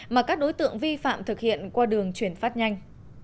mà các đối tượng vi phạm thực hiện qua đường chuyển phát nhanh